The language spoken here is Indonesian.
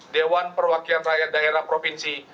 dewan perwakilan rakyat daerah provinsi